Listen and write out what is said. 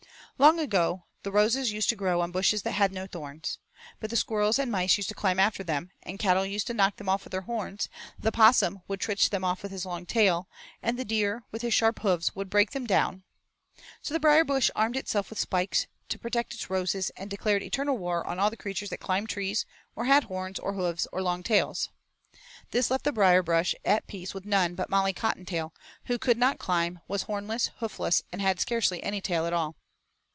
Long ago the Roses used to grow on bushes that had no thorns. But the Squirrels and Mice used to climb after them, the Cattle used to knock them off with their horns, the Possum would twitch them off with his long tail, and the Deer, with his sharp hoofs, would break them down. So the Brierbrush armed itself with spikes to protect its roses and declared eternal war on all creatures that climbed trees, or had horns, or hoofs, or long tails. This left the Brierbrush at peace with none but Molly Cottontail, who could not climb, was hornless, hoofless, and had scarcely any tail at all.